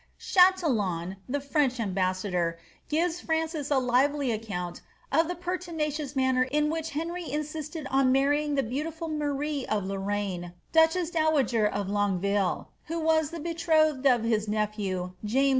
*' Chatillon, the French ambassador, gives Francis a lively account of the pertinacious manner in which Henry insisted on marrying the beauti ful Marie of Lorraine, duchess dowager of Longueville, who was the betrothed of his nephew, James V.